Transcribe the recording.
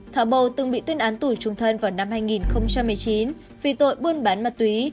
thảo bồ từng bị tuyên án tù trung thân vào năm hai nghìn một mươi chín vì tội buôn bán ma túy